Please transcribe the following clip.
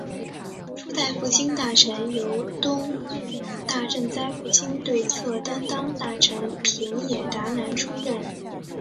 初代复兴大臣由东日本大震灾复兴对策担当大臣平野达男出任。